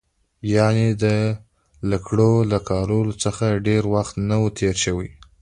یعنې د لکړو له کارولو څخه ډېر وخت نه و تېر شوی.